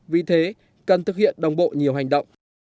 vì thế cần thực hiện đồng bộ nhiều hành động